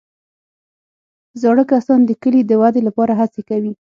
زاړه کسان د کلي د ودې لپاره هڅې کوي